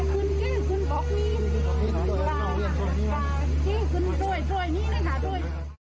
คุณเจสุนตรงนี้ลาคุณต้วยที่นี่นะคะทด